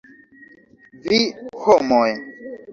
Vi, homoj!